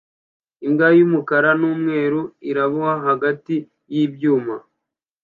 Imbwa y'umukara n'umweru iraboha hagati y'ibyuma